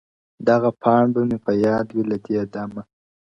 دغه پاڼ به مي په یاد وي له دې دمه!!